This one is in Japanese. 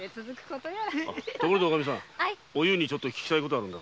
ところでおゆうに訊きたいことがあるんだ。